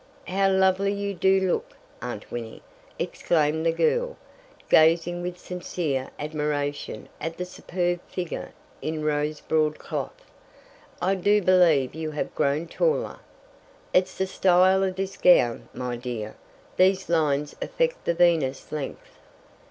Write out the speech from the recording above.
"How lovely you do look, Aunt Winnie," exclaimed the girl, gazing with sincere admiration at the superb figure in rose broadcloth. "I do believe you have grown taller!" "It's the style of this gown, my dear. These lines affect the Venus length.